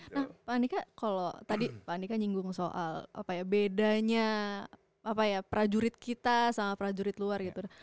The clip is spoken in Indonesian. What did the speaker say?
nah pak andika kalau tadi pak andika nyinggung soal bedanya prajurit kita sama prajurit luar gitu